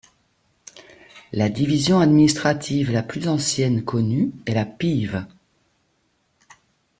La division administrative la plus ancienne connue est la pieve.